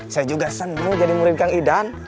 saya juga senang jadi murid kang idam